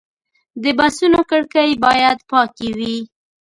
د بسونو کړکۍ باید پاکې وي.